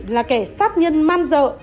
là kẻ sát nhân man dợ